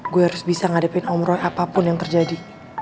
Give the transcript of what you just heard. gue harus bisa ngadepin om roy apapun yang terjadi